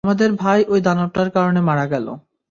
আমাদের ভাই ঐ দানবটার কারণে মারা গেল।